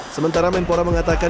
sementara menpora mengatakan